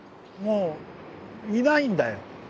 もういないんだよ。